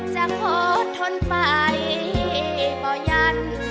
จะพอทนไปให้ป่อยัน